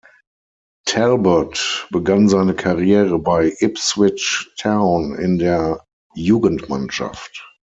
Talbot begann seine Karriere bei Ipswich Town in der Jugendmannschaft.